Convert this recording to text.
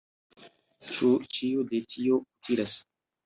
Ĉu ĉio de tio utilas?